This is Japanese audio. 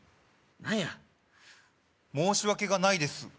何や申し訳がないです